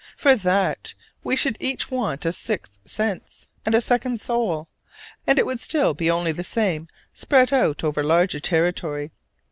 For that we should each want a sixth sense, and a second soul: and it would still be only the same spread out over larger territory.